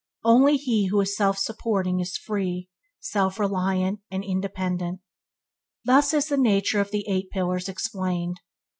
Only he who is self supporting is free, self reliant, independent. Thus is the nature of the Eight Pillars explained.